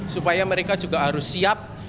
supaya mereka juga harus siap